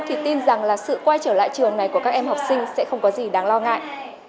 thì tin rằng là sự quay trở lại trường này của các em học sinh sẽ không có gì đáng lo ngại